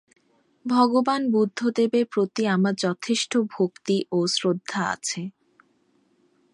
ভগবান বুদ্ধদেবের প্রতি আমার যথেষ্ট ভক্তি ও শ্রদ্ধা আছে।